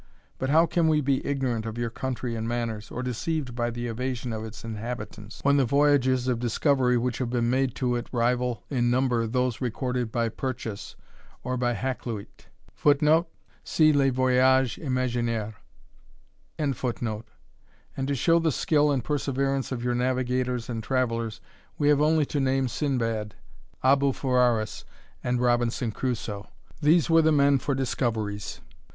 But how can we be ignorant of your country and manners, or deceived by the evasion of its inhabitants, when the voyages of discovery which have been made to it rival in number those recorded by Purchas or by Hackluyt? [Footnote: See Les Voyages Imaginaires.] And to show the skill and perseverance of your navigators and travellers, we have only to name Sindbad, Aboulfouaris, and Robinson Crusoe. These were the men for discoveries.